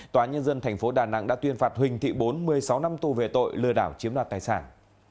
tòa nhân dân thành phố đà nẵng đã tuyên phạt huỳnh thị bốn một mươi sáu năm tù về tội lừa đảo chiếm đặt tài sản